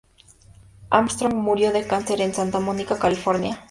Armstrong murió de cáncer en Santa Mónica, California.